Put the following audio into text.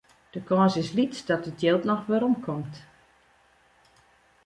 De kâns is lyts dat it jild noch werom komt.